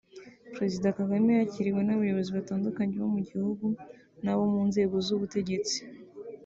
Perezida Kagame yakiriwe n’abayobozi batandukanye bo mu gihugu n’abo mu nzego z’ubutegetsi